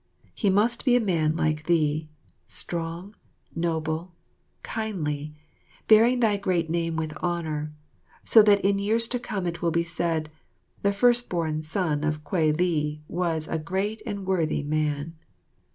He must be a man like thee, strong, noble, kindly, bearing thy great name with honour, so that in years to come it will be said, "The first born son of Kwei li was a great and worthy man."